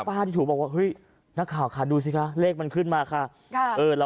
คุณป้าที่ถูบอกว่าเฮ้ยนักข่าวค่ะดูสิคะเลขมันขึ้นมาค่ะ